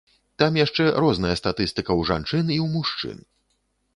Там яшчэ розная статыстыка ў жанчын і ў мужчын.